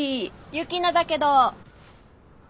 雪菜だけど。